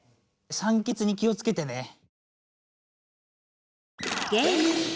酸欠に気をつけてね。